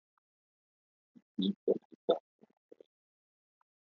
It feeds on lizards and birds.